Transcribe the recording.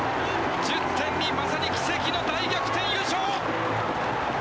１０．２まさに奇跡の大逆転優勝！